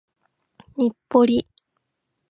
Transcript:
日暮里